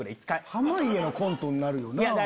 濱家のコントになるよな？